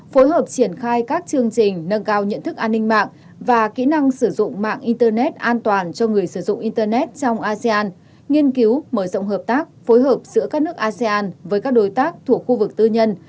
phối hợp triển khai các chương trình nâng cao nhận thức an ninh mạng và kỹ năng sử dụng mạng internet an toàn cho người sử dụng internet trong asean nghiên cứu mở rộng hợp tác phối hợp giữa các nước asean với các đối tác thuộc khu vực tư nhân